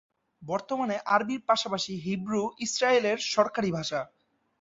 বর্তমানে আরবির পাশাপাশি হিব্রু ইসরায়েলের সরকারি ভাষা।